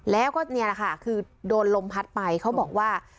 แล้วก็นี่แหละค่ะคือโดนลมพัดไปเขาบอกว่า